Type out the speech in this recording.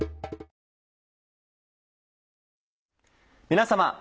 皆様。